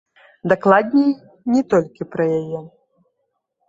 Дакладней, не толькі пра яе.